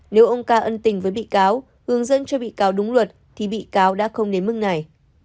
nếu ông ca ân tình với bị cáo hướng dẫn cho bị cáo đúng luật thì bị cáo đã không đến mức này